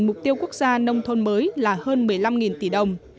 mục tiêu quốc gia nông thôn mới là hơn một mươi năm tỷ đồng